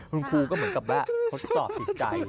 คุณครูก็เหมือนกับแวะสอบสิทธิ์ใจ